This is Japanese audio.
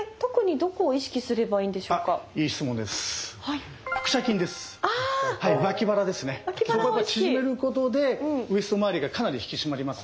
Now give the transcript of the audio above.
そこを縮めることでウエストまわりがかなり引き締まりますので。